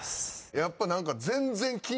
やっぱ何か。